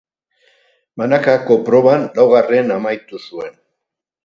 Banakako proban laugarren amaitu zuen.